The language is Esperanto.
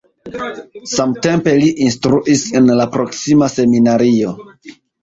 Samtempe li instruis en la proksima seminario.